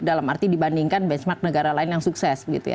dalam arti dibandingkan benchmark negara lain yang sukses